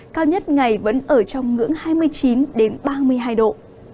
cao nhất ngày vẫn ở trong ngưỡng hai mươi chín ba mươi hai độ